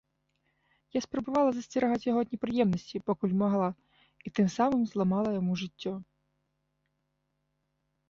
Я спрабавала засцерагаць яго ад непрыемнасцей, пакуль магла, і тым самым зламала яму жыццё.